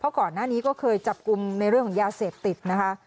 ก่อนหน้านี้ก็เคยจับกลุ่มในเรื่องของยาเสพติดนะคะ